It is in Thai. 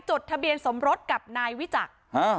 จดทะเบียนสมรสกับนายวิจักร